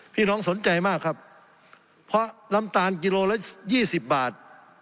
พี่น้องสนใจมากครับเพราะน้ำตาลกิโลละยี่สิบบาท